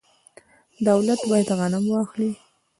دولت باید غنم واخلي.